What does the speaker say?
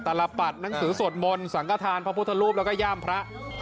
รับปัดหนังสือสวดมนต์สังกฐานพระพุทธรูปแล้วก็ย่ามพระ